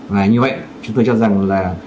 và như vậy chúng tôi cho rằng là